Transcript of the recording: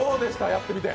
やってみて。